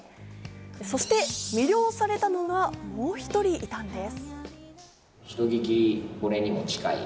そして魅了されたのはもう１人いたんです。